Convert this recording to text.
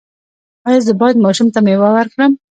ایا زه باید ماشوم ته میوه ورکړم؟